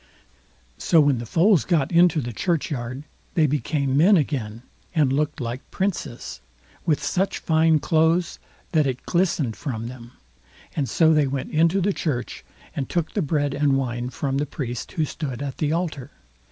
So when the foals got into the churchyard, they became men again, and looked like Princes, with such fine clothes that it glistened from them; and so they went into the church, and took the bread and wine from the priest who stood at the altar.